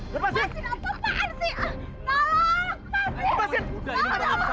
lepasin apaan sih